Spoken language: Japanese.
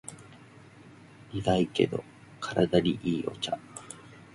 苦いけど体にいいお茶